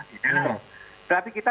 tidak tapi kita